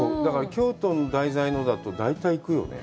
京都が題材のだと、大体、行くよね。